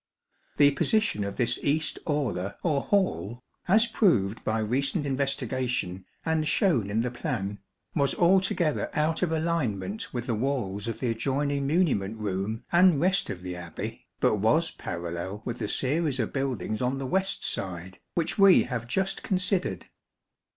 The position of this East Aula or Hall, as proved by recent investigation and shown in the plan, was altogether out of alignment with the walls of the adjoining muniment room and rest of the Abbey, but was parallel with the series of buildings on the west side which we have just considered.